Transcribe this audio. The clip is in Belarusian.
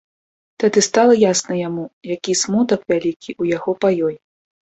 Тады стала ясна яму, які смутак вялікі ў яго па ёй.